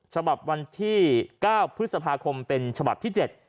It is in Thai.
ฉบับวันที่๙พฤษภาคมเป็นฉบับที่๗